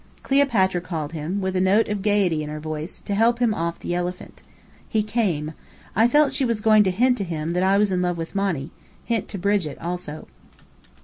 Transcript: Cleopatra called him, with a note of gayety in her voice, to help her off "the elephant." He came. I felt she was going to hint to him that I was in love with Monny hint to Brigit also.